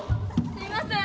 すいません。